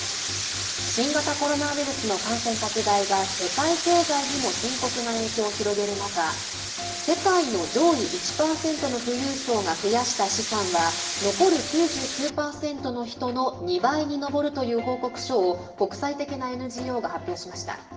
新型コロナウイルスの感染拡大が世界経済にも深刻な影響を広げる中世界の上位１％の富裕層が増やした資産は残る９９％の人の２倍に上るという報告書を国際的なＮＧＯが発表しました。